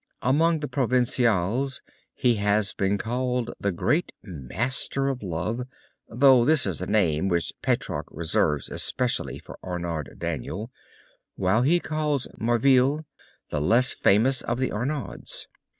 Among the provencals he has been called the great Master of Love, though this is a name which Petrarch reserves especially for Arnaud Daniel, while he calls Marveil the less famous of the Arnauds.